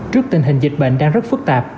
trước tình hình dịch bệnh đang rất phức tạp